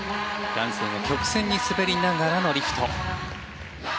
ダンスの曲線に滑りながらのリフト。